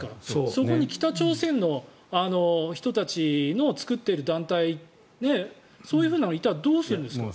そこに北朝鮮の人たちの作っている団体そういうふうなのがいたらどうするんですか。